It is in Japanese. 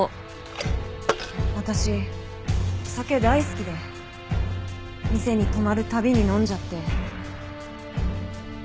私お酒大好きで店に泊まる度に飲んじゃって。